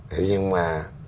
thế nhưng mà